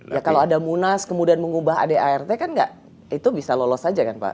ya kalau ada munas kemudian mengubah adart kan itu bisa lolos saja kan pak